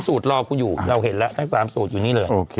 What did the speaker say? รอคุณอยู่เราเห็นแล้วทั้ง๓สูตรอยู่นี่เลย